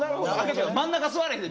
真ん中座れへん。